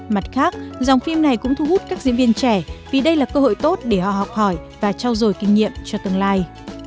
mặt khác dòng phim này cũng thu hút các diễn viên trẻ vì đây là cơ hội tốt để họ học hỏi và trao dồi kinh nghiệm cho tương lai